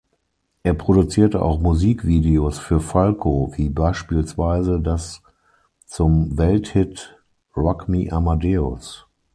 Er produzierte auch Musikvideos für Falco, wie beispielsweise das zum Welthit "Rock Me Amadeus".